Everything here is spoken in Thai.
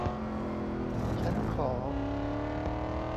ชั้นขอ